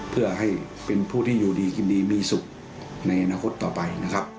เพื่อให้เป็นผู้ที่อยู่ดีกินดีมีสุขในอนาคตต่อไปนะครับ